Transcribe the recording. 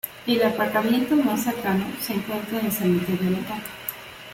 El aparcamiento más cercano se encuentra en el cementerio local.